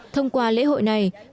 thông qua lễ hội này